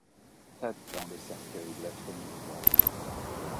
Tâte dans le cercueil l’affreux nœud gordien ;